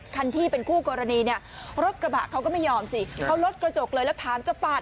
คันที่เป็นคู่กรณีเนี่ยรถกระบะเขาก็ไม่ยอมสิเขาลดกระจกเลยแล้วถามจะปาด